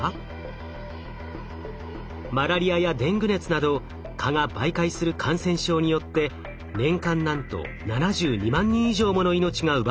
マラリアやデング熱など蚊が媒介する感染症によって年間なんと７２万人以上もの命が奪われています。